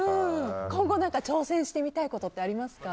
今後挑戦してみたいことはありますか？